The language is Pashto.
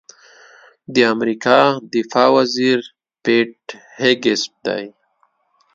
د امریکا دفاع وزیر پیټ هېګسیت دی.